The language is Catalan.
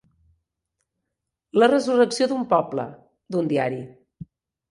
La resurrecció d'un poble, d'un diari.